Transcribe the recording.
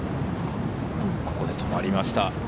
ここで止まりました。